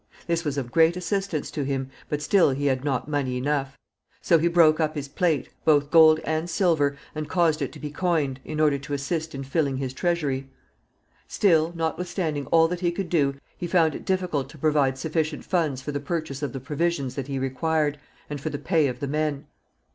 This was of great assistance to him, but still he had not money enough. So he broke up his plate, both gold and silver, and caused it to be coined, in order to assist in filling his treasury. Still, notwithstanding all that he could do, he found it difficult to provide sufficient funds for the purchase of the provisions that he required, and for the pay of the men.